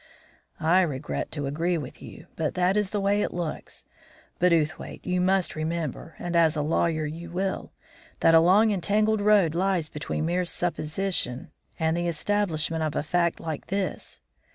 "I regret to agree with you, but that is the way it looks. But, Outhwaite, you must remember and as a lawyer you will that a long and tangled road lies between mere supposition and the establishment of a fact like this.